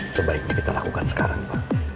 sebaiknya kita lakukan sekarang pak